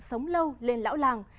sống lâu lên lão làng